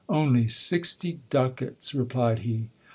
Only sixty ducats, replied he.